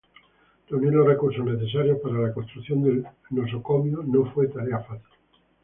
Reunir los recursos necesarios para la construcción del nosocomio no fue tarea fácil.